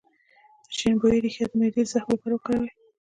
د شیرین بویې ریښه د معدې د زخم لپاره وکاروئ